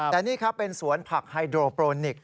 แต่นี่ครับเป็นสวนผักไฮโดรโปรนิกส